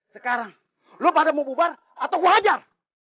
sekarang lu pada mau bubar atau gua hajar